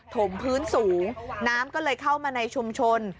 ถมพื้นสูงน้ำก็เลยเข้ามาในชุมชน